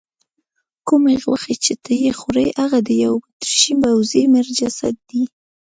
کومې غوښې چې ته یې خورې هغه د یوه اتریشي پوځي مړ جسد دی.